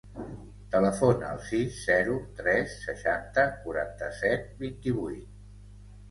Telefona al sis, zero, tres, seixanta, quaranta-set, vint-i-vuit.